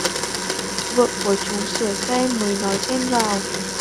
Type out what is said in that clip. Vợ của chú sửa xe mới nói chen vào